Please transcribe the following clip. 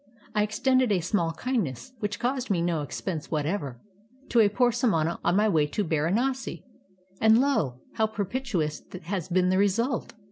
I extended a small kindness, which caused me no expense whatever, to a poor samana on my way to Baranasi, and lo ! how propitious has been the result